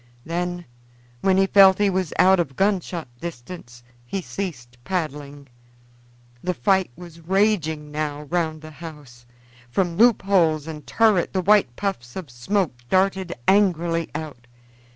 Then, when he felt he was out of gunshot distance, he ceased paddling. The fight was raging now around the house; from loop holes and turret the white puffs of smoke darted angrily out.